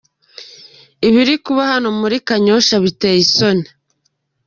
Ibiri kuba hano muri Kanyosha biteye isoni.